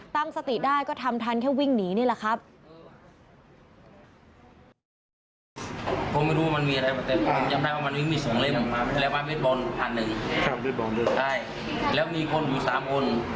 ตั้งสติได้ก็ทำทันแค่วิ่งหนีนี่แหละครับ